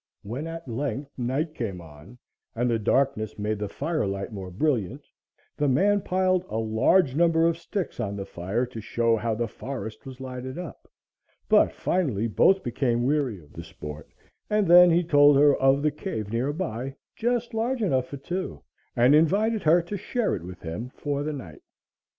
When at length night came on and the darkness made the firelight more brilliant, the man piled a large number of sticks on the fire to show how the forest was lighted up; but finally both became weary of the sport, and then he told her of the cave near by just large enough for two and invited her to share it with him for the night.